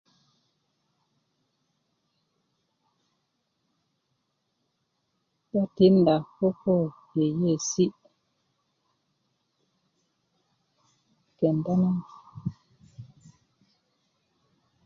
do tinda koko yeiyesi kenda na